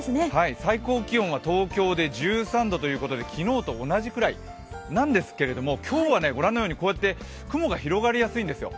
最高気温は東京で１３度ということで昨日と同じぐらいなんですけれども今日は雲が広がりやすいんですよ。